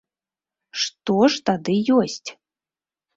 Што ж тады ёсць?